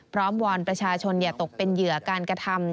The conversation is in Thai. วอนประชาชนอย่าตกเป็นเหยื่อการกระทำ